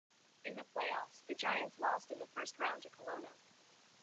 In the playoffs, the Giants lost in the first round to Kelowna.